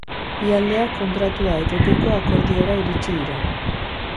Bi aldeak kontratua eteteko akordiora iritsi dira.